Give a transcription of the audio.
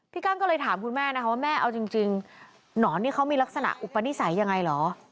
กั้นก็เลยถามคุณแม่นะคะว่าแม่เอาจริงหนอนนี่เขามีลักษณะอุปนิสัยยังไงเหรอ